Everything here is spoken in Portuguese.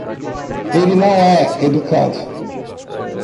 Ele não é educado.